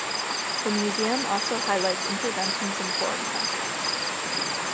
The museum also highlights interventions in foreign countries.